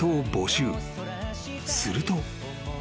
［すると］